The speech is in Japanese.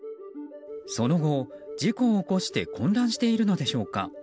その後、事故を起こして混乱しているのでしょうか。